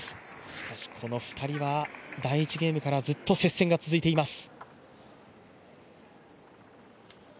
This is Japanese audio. しかしこの２人は第１ゲームからずっと接戦が続いています。